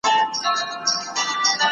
زه به بوټونه پاک کړي وي!.